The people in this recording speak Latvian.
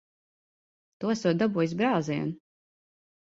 Tu esot dabūjis brāzienu.